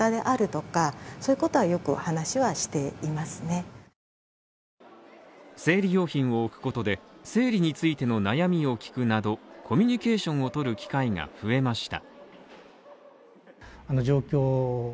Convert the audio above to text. そのときに話すのは生理用品を置くことで、生理についての悩みを聞くなど、コミュニケーションをとる機会が増えました。